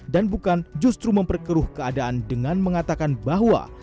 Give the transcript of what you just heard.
dan bukan justru memperkeruh keadaan dengan mengatakan bahwa